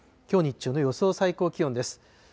きょう日中の予想最高気温です。